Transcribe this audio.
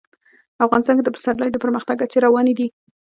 افغانستان کې د پسرلی د پرمختګ هڅې روانې دي.